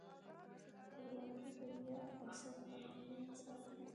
خپلواکي د ویاړ او سربلندۍ اساس دی.